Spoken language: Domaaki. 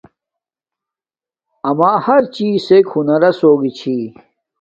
اما ہر چیسک ہنراس ہوگی چھی